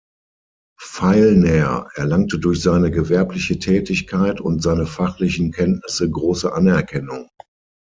Feilner erlangte durch seine gewerbliche Tätigkeit und seine fachlichen Kenntnisse große Anerkennung.